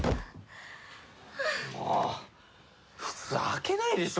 もう普通開けないでしょ